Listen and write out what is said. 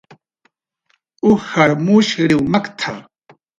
"Ujar mushriw makt""a"